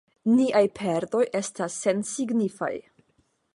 Niaj perdoj estas sensignifaj.